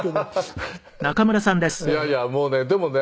いやいやもうねでもね